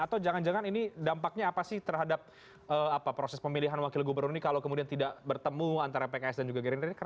atau jangan jangan ini dampaknya apa sih terhadap proses pemilihan wakil gubernur ini kalau kemudian tidak bertemu antara pks dan juga gerindra ini